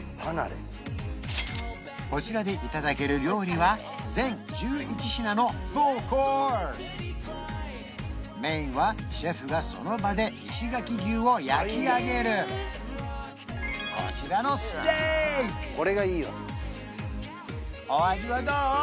こちらでいただける料理は全１１品のフルコースメインはシェフがその場で石垣牛を焼き上げるこちらのステーキお味はどう？